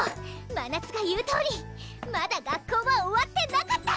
まなつが言うとおりまだ学校は終わってなかった！